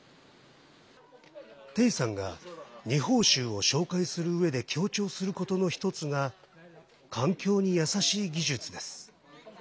丁さんが二峰しゅうを紹介するうえで強調することの一つが環境に優しい技術です。